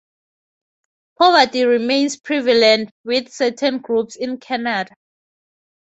Poverty remains prevalent with certain groups in Canada.